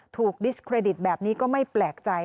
ดิสเครดิตแบบนี้ก็ไม่แปลกใจ